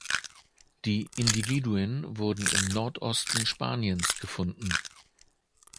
Die Individuen wurden im Nordosten Spaniens gefunden.